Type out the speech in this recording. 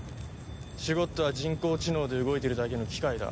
シュゴッドは人工知能で動いてるだけの機械だ。